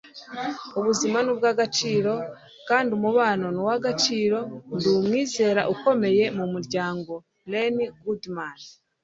ubuzima ni ubw'agaciro kandi umubano ni uw'agaciro. ndi umwizera ukomeye mu muryango. - len goodman